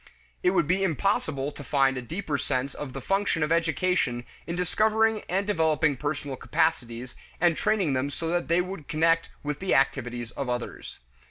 It would be impossible to find a deeper sense of the function of education in discovering and developing personal capacities, and training them so that they would connect with the activities of others.